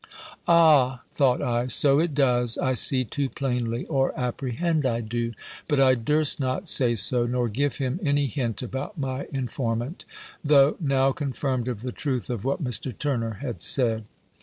"Ah!" thought I, "so it does, I see too plainly, or apprehend I do; but I durst not say so, nor give him any hint about my informant; though now confirmed of the truth of what Mr. Turner had said."